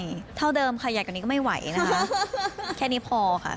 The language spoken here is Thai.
ใช่เท่าเดิมค่ะใหญ่กว่านี้ก็ไม่ไหวนะคะแค่นี้พอค่ะ